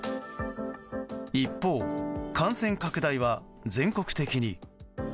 一方、感染拡大は全国的に。